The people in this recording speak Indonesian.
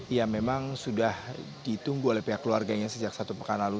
ya memang sudah ditunggu oleh pihak keluarganya sejak satu pekan lalu